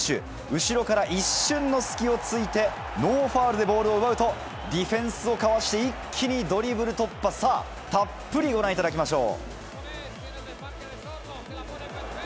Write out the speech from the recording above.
後ろから一瞬の隙をついて、ノーファウルでボールを奪うと、ディフェンスをかわし、一気にドリブル突破、さあ、たっぷりご覧いただきましょう。